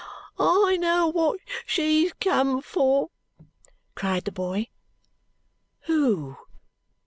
"I know wot she's come for!" cried the boy. "Who?"